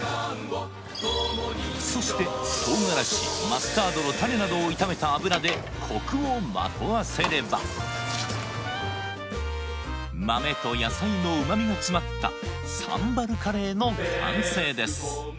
そしてとうがらしマスタードの種などを炒めた油でコクをまとわせれば豆と野菜の旨味が詰まったサンバルカレーの完成です